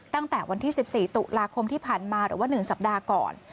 ตั้งแต่วันที่๑๔ตุลาคมที่ผ่านมาหรือว่า๑สัปดาห์ก่อน